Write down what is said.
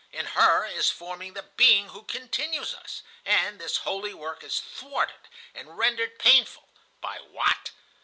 In her is forming the being who continues us, and this holy work is thwarted and rendered painful ... by what?